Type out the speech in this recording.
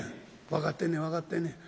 「分かってねん分かってんねん。